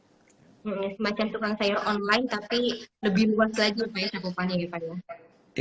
ya semacam tukang sayur online tapi lebih luas lagi sepertinya yang yang lain